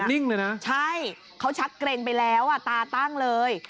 นิ่งเลยนะใช่เขาชักเกร็งไปแล้วอ่ะตาตั้งเลย